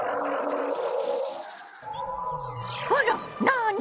あらなに？